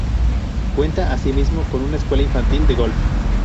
Cuenta asimismo con una escuela infantil de golf.